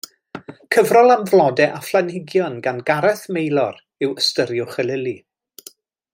Cyfrol am flodau a phlanhigion gan Gareth Maelor yw Ystyriwch y Lili.